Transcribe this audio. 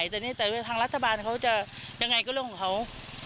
แต่ในใจว่าทางรัฐบาลเขาจะยังไงก็เรื่องของเขา